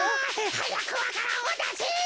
はやくわか蘭をだせ！